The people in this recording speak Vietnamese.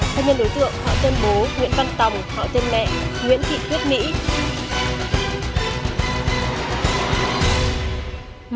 thân nhân đối tượng họ tên bố nguyễn văn tòng họ tên mẹ nguyễn thị phong thủy sinh năm hai nghìn bốn